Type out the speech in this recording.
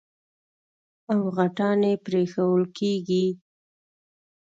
او غټان يې پرېښوول کېږي.